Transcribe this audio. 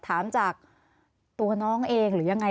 ถามจากตัวน้องเองหรือยังไง